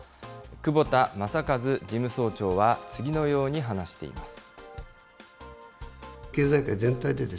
久保田政一事務総長は次のように話しています。